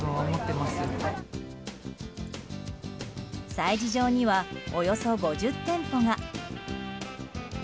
催事場にはおよそ５０店舗が。